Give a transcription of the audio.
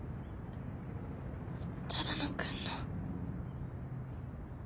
只野くんの。